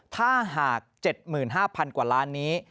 ถ้าหาก๗๕๐๐กว่าล้านนี้